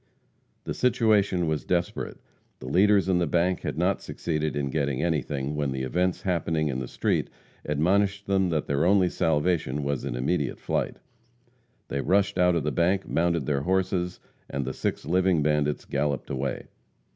The situation was desperate. The leaders in the bank had not succeeded in getting anything, when the events happening in the street admonished them that their only salvation was in immediate flight. They rushed out of the bank, mounted their horses, and the six living bandits galloped away.